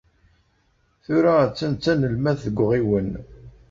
Tura attan d tanelmadt deg uɣiwen.